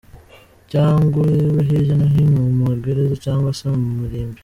Cyangwa urebe hirya no hino mu ma gereza cyangwa se mu marimbi!